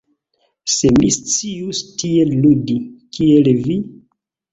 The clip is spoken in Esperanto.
Se mi scius tiel ludi, kiel Vi!